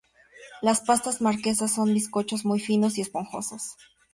Las pastas marquesas son bizcochos muy finos y esponjosos.